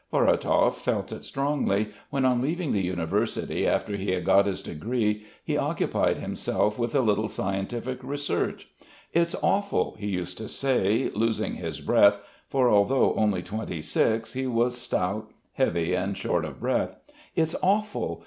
Vorotov felt it strongly, when on leaving the university after he had got his degree he occupied himself with a little scientific research. "It's awful!" he used to say, losing his breath (for although only twenty six he was stout, heavy, and short of breath). "It's awful.